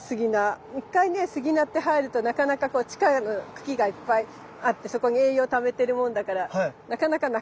一回ねスギナって生えるとなかなかこう地下の茎がいっぱいあってそこに栄養ためてるもんだからなかなかなくならないのよね。